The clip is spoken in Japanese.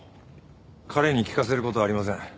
彼に聞かせる事はありません。